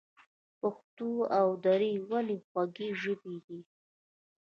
پښتو او دري ولې خوږې ژبې دي؟